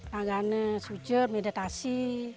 raga sujud meditasi